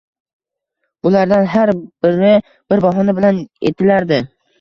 Bulardan har biri bir bahona bilan etilardi.